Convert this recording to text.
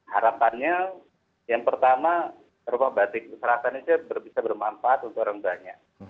harapannya yang pertama rumah batik selatan ini bisa bermanfaat untuk orang banyak